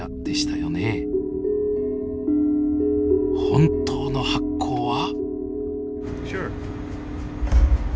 本当の発光は？